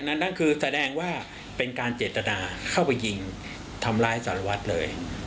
นั่นคือแสดงว่าเป็นการเจตนาเข้าไปยิงทำร้ายสารวัตรเลย